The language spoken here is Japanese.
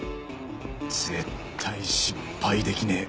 絶対失敗できねえ